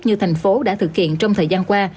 như thành phố đã thực hiện trong thời gian qua